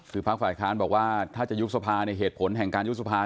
คือภาคฝ่ายค้านบอกว่าถ้าจะยุบสภาเนี่ยเหตุผลแห่งการยุบสภา